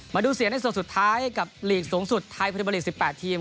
มาดูเสียงในส่วนสุดท้ายกับหมู่หนึ่งสูงสุดผลิตภัทรภรรี๑๘ทีม